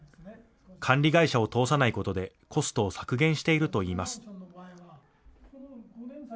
管理会社を通さないことでコストを削減しているといいます。